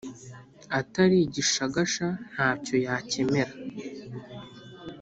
Atari igishagasha ntacyo yakemera